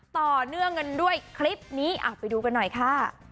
ต่อเนื่องกันด้วยคลิปนี้ไปดูกันหน่อยค่ะ